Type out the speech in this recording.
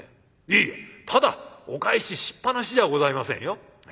いやただお帰ししっぱなしではございませんよ。